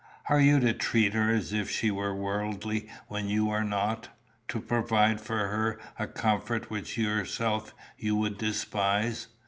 Are you to treat her as if she were worldly when you are not to provide for her a comfort which yourself you would despise?